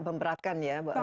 memperatkan ya pak alam